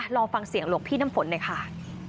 ลองฟังเสียงหลวงพี่น้ำฝนหน่อยค่ะ